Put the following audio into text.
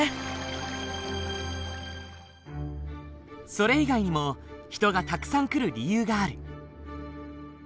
それ以外にも人がたくさん来る理由がある。